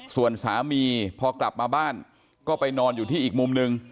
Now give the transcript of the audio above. ส่วนสามีพอกลับมาบ้านก็ไปนอนอยู่ที่อีกมุมหนึ่ง